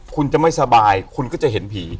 คุณจะไม่สบายคุณก็จะเห็นผี